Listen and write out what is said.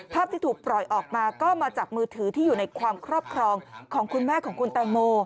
ที่ถูกปล่อยออกมาก็มาจากมือถือที่อยู่ในความครอบครองของคุณแม่ของคุณแตงโม